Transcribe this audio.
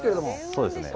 そうですね。